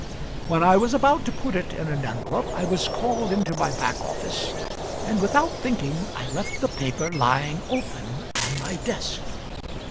When I was about to put it in an envelope I was called into my back office, and without thinking I left the paper lying open on my desk."